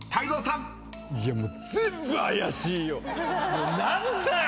もう何だよ